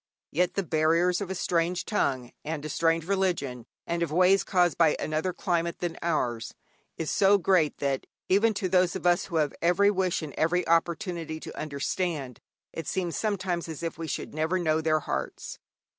Yet the barriers of a strange tongue and a strange religion, and of ways caused by another climate than ours, is so great that, even to those of us who have every wish and every opportunity to understand, it seems sometimes as if we should never know their hearts.